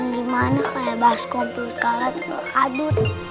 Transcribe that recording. nanti siap lah anggota